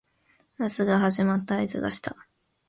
夏が始まった合図がした